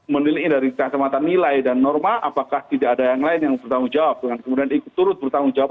menilai dari kacamata nilai dan norma apakah tidak ada yang lain yang bertanggung jawab dengan kemudian ikut turut bertanggung jawab